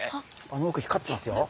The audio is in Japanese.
あのおく光ってますよ。